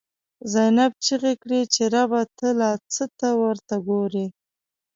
زینب ” چیغی کړی چی ربه، ته لا څه ته ورته ګوری”